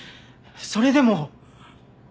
それでも。